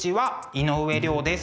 井上涼です。